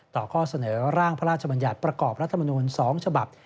ข้อเสนอร่างพระราชบัญญัติประกอบรัฐมนูล๒ฉบับ